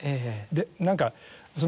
で何か。